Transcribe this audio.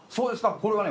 これはね